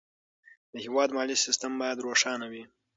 د هېواد مالي سیستم باید روښانه وي.